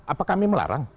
apa kami melarang